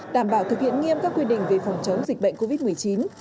đảm bảo thực hiện nghiêm các quy định về phòng chống dịch bệnh covid một mươi chín